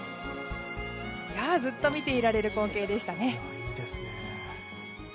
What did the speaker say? ずっと見ていられる光景でしたね。